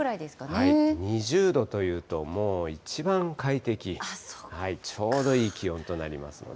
２０度というと、もう一番快適、ちょうどいい気温となりますので。